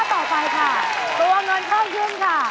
ต่อไปค่ะตัวเงินเพิ่มขึ้นค่ะ